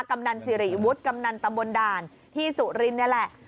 กำนันสิริวุฒิกำนันตำบลด่านที่สุรินนี่แหละ